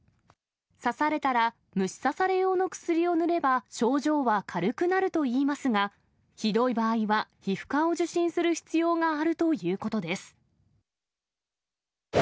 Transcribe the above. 刺されたら虫刺され用の薬を塗れば症状は軽くなるといいますが、ひどい場合は皮膚科を受診する必要があるということです。